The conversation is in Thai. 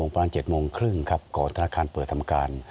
ประมาณเจ็ดโมงครึ่งครับก่อนธนาคารเปิดธรรมกาล